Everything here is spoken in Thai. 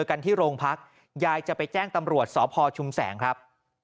กันที่โรงพักยายจะไปแจ้งตำรวจสพชุมแสงครับ